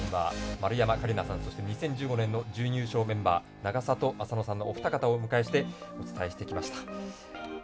丸山桂里奈さんそして２０１５年の準優勝メンバー永里亜紗乃さんのお二方をお迎えしてお伝えしてきました。